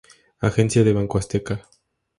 Agencia de Banco Azteca.